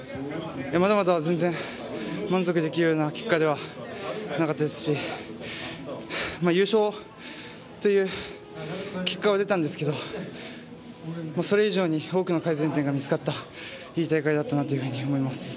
まだまだ全然満足できるような結果ではなかったですし、優勝という結果は出たんですけど、それ以上に多くの改善点が見つかったいい大会だったなと思います。